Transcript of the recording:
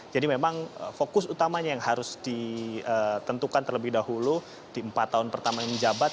jadi memang fokus utamanya yang harus ditentukan terlebih dahulu di empat tahun pertama yang menjabat